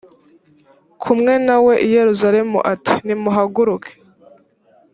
kumwe na we i yerusalemu ati nimuhaguruke